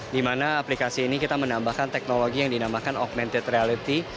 di mana aplikasi ini kita menambahkan teknologi yang dinamakan augmented reality